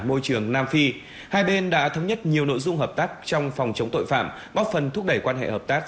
môi trường nam phi hai bên đã thống nhất nhiều nội dung hợp tác trong phòng chống tội phạm góp phần thúc đẩy quan hệ hợp tác